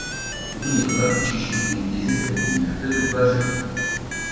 Uzun yıllar çeşitli dizi ve filmlerde dublaj yaptı.